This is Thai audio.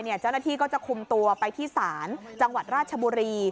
เจ้าหน้าที่ก็จะคุมตัวไปที่ศาลจังหวัดราชบุรี